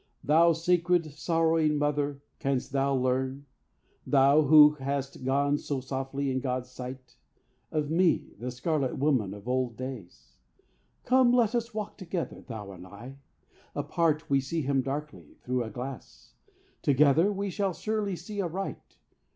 Thou sacred, sorrowing mother, canst thou learn Thou who hast gone so softly in God's sight Of me, the scarlet woman of old days? Come, let us talk together, thou and I. Apart, we see him darkly, through a glass; Together, we shall surely see aright.